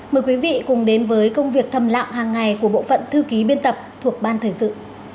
mời quý vị cùng đến với công việc thầm lặng hàng ngày của bộ phận thư ký biên tập thuộc ban thời sự